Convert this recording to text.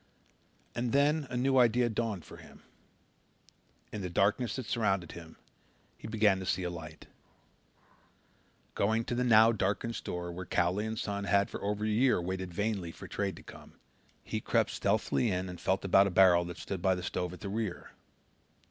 And then a new idea dawned for him. In the darkness that surrounded him he began to see a light. Going to the now darkened store, where Cowley & Son had for over a year waited vainly for trade to come, he crept stealthily in and felt about in a barrel that stood by the stove at the rear.